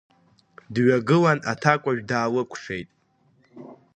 Дҩагылан аҭакәажә даалыкәшеит.